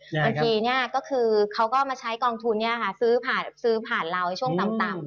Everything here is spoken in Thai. บางทีเนี่ยก็คือเขาก็มาใช้กองทุนเนี่ยค่ะซื้อผ่านเราช่วงต่ำ